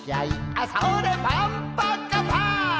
「あそれパンパカパン」